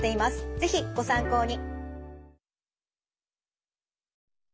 是非ご参考に。